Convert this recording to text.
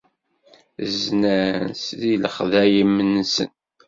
Znan s lexdayem-nsen.